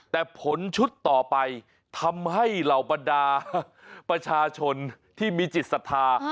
แต่ผลชุดต่อไปทำให้เหล่าบรรดาประชาชนที่มีจิตศรัทธา